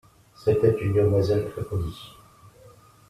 C'était une demoiselle très polie.